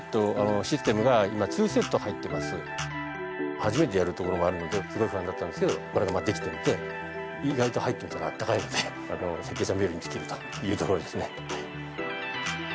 初めてやるところもあるのですごい不安だったんですけどこれがまあできていて意外と入ってみたら暖かいので設計者冥利に尽きるというところですね。